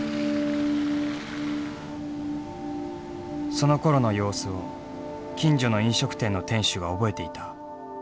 そのころの様子を近所の飲食店の店主が覚えていた。